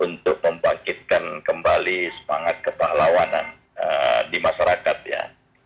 untuk membangkitkan kembali semangat kepahlawanan di masyarakat ya